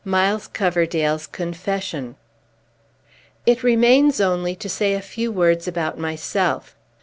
MILES COVERDALE'S CONFESSION It remains only to say a few words about myself.